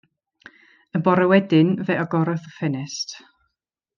Y bore wedyn fe agorodd y ffenest.